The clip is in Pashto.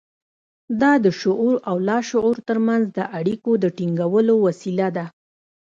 دا د شعور او لاشعور ترمنځ د اړيکو د ټينګولو وسيله ده.